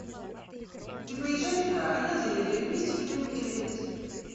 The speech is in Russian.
Ты поезжай туда, а я заеду, и вместе куда-нибудь обедать.